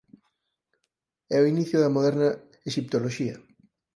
É o inicio da moderna exiptoloxía.